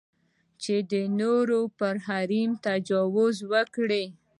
چې د نورو پر حریم تجاوز وکړي.